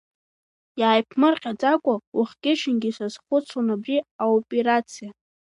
Иааиԥмырҟьаӡакәа уахгьы-ҽынгьы сазхәыцуан абри аоперациа.